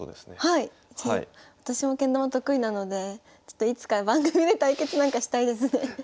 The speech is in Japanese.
私もけん玉得意なのでちょっといつか番組で対決なんかしたいですね。